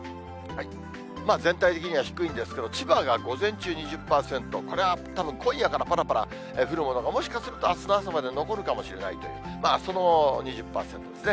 全体的には低いんですけれども、千葉が午前中２０％、これはたぶん今夜からぱらぱら降るものが、もしかするとあすの朝まで残るかもしれないという、その２０％ですね。